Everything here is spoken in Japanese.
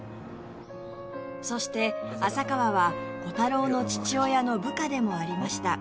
そして浅川はコタローの父親の部下でもありました